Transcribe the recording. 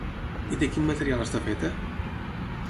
I de quin material està feta?